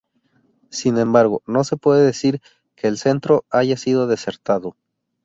Sin embargo no se puede decir que el centro haya sido desertado.